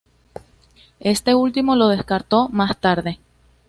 Este último lo descartó más tarde.